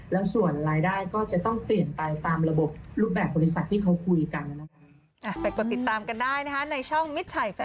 แล้วส่วนรายได้ก็จะต้องเปลี่ยนไปตามระบบรูปแบบบริษัทที่เขาคุยกันนะคะ